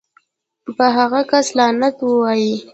پۀ هغه کس لعنت اووائې